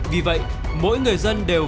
vì vậy mỗi người dân đều